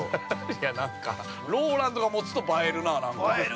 ◆いやなんか、ＲＯＬＡＮＤが持つと映えるな。